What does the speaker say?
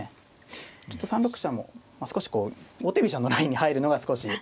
ちょっと３六飛車も少しこう王手飛車のラインに入るのが少し。